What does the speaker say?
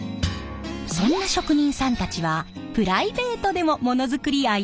そんな職人さんたちはプライベートでもモノづくり愛にあふれているようで。